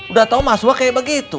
udah tau mas wah kayak begitu